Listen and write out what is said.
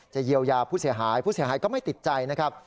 เยียวยาผู้เสียหายผู้เสียหายก็ไม่ติดใจนะครับ